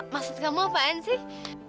maksud kamu apaan sih